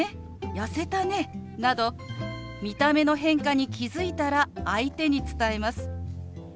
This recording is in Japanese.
「やせたね」など見た目の変化に気付いたら相手に伝えます。